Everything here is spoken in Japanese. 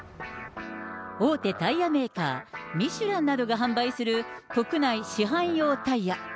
大手タイヤメーカー、ミシュランなどが販売する、国内市販用タイヤ。